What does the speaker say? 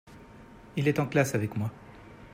Il est en classe avec moi.